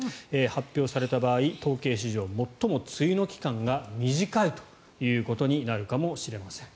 発表された場合統計史上最も梅雨の期間が短いということになるかもしれません。